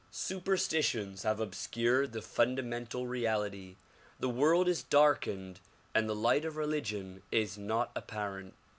Superstitions have obscured the fundamental reality, the world is darkened and the light of religion is not appar ent.